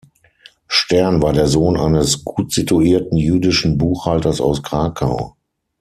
Stern war der Sohn eines gutsituierten jüdischen Buchhalters aus Krakau.